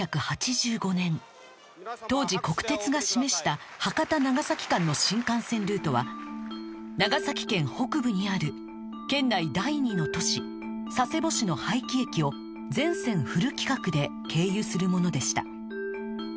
１９８５年当時国鉄が示した博多長崎間の新幹線ルートは長崎県北部にある県内第二の都市佐世保市の早岐駅を全線フル規格で経由するものでした